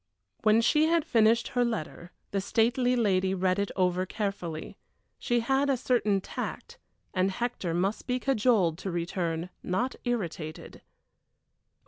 When she had finished her letter the stately lady read it over carefully she had a certain tact, and Hector must be cajoled to return, not irritated.